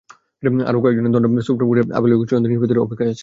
আরও কয়েকজনের দণ্ড সুপ্রিম কোর্টের আপিল বিভাগে চূড়ান্ত নিষ্পত্তির অপেক্ষায় আছে।